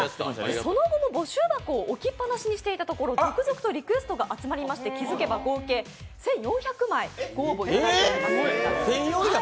その後も募集箱を置きっぱなしにしていたところ、続々とリクエストが集まりまして、気付けば合計１４００枚ご応募いただいています。